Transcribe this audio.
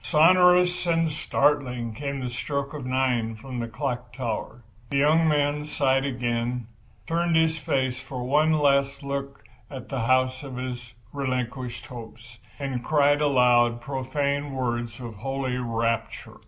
Sonorous and startling came the stroke of 9 from the clock tower. The young man sighed again, turned his face for one last look at the house of his relinquished hopes—and cried aloud profane words of holy rapture.